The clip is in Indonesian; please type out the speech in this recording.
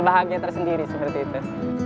bahagia terus sendiri suhaib tete